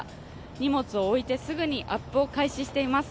荷物を置いてすぐにアップを開始しています。